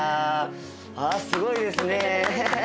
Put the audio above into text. すごいですね。